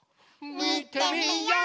みてみよう！